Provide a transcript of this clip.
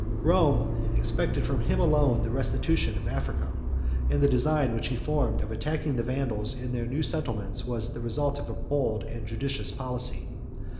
Rome expected from him alone the restitution of Africa; and the design, which he formed, of attacking the Vandals in their new settlements, was the result of bold and judicious policy.